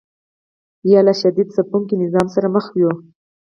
یا له شدید ځپونکي نظام سره مخ یو.